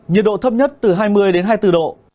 nhiệt độ thấp nhất từ hai mươi đến hai mươi bốn độ